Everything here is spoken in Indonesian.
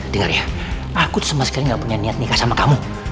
dengar ya aku sama sekali gak punya niat nikah sama kamu